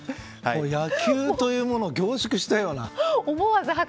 野球というものを凝縮したような。